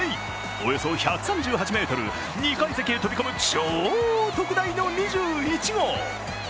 およそ１３８ｍ、２階席へ飛び込む超特大の２１号。